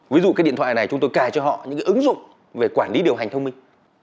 ví dụ cái điện thoại này chúng tôi cài cho họ những cái ứng dụng về quản lý điều hành thông minh